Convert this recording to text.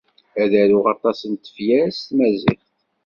Ad aruɣ aṭas n tefyar s tmaziɣt.